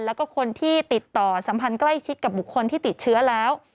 แล้วก็คนที่ติดต่อสัมพันธ์ใกล้ชิดกับบุคคลที่ติดเชื้อแล้ว